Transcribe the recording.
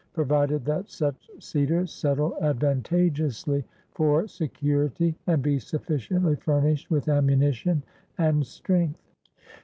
Provided that such seaters settle advantageously for security and be sufficiently furnished with amunition and strength.